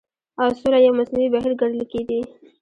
او سوله يو مصنوعي بهير ګڼل کېدی